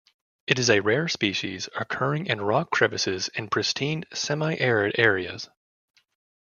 It is a rare species occurring in rock crevices in pristine semi-arid areas.